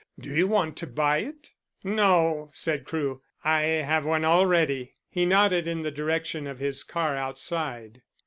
"Do you want to buy it?" "No," said Crewe. "I have one already." He nodded in the direction of his car outside.